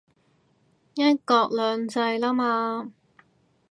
一國兩制喇嘛